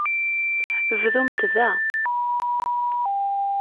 Bdumt da.